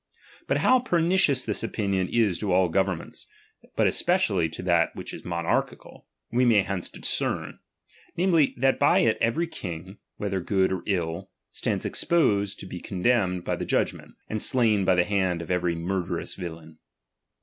But low pernicious this opinion is to all governments, Tint especially to that which is monarchical, we may hence discern ; namely, that by it every Icing, "whether good or ill, stands exposed to be con demned by the judgment, and slain by the hand of every murderous villain.